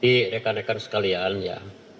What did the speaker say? jadi rekan rekan sekalian ya